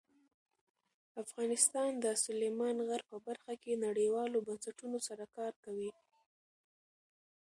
افغانستان د سلیمان غر په برخه کې نړیوالو بنسټونو سره کار کوي.